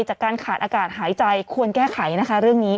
จากการขาดอากาศหายใจควรแก้ไขนะคะเรื่องนี้